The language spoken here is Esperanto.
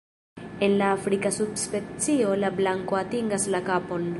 En la afrika subspecio la blanko atingas la kapon.